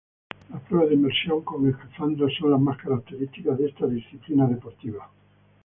Las pruebas de inmersión con escafandra son las más características de esta disciplina deportiva.